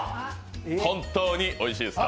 本当においしいですか？